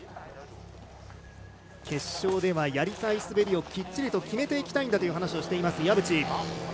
決勝では、やりたい滑りをきっちり決めていきたいという話をしています岩渕。